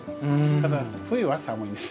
ただ、冬は寒いんです。